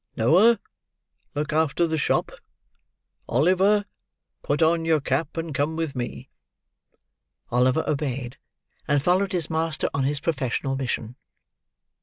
Noah, look after the shop. Oliver, put on your cap, and come with me." Oliver obeyed, and followed his master on his professional mission.